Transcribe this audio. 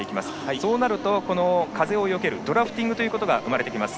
そうなると、風をよけるドラフティングが生まれてきます。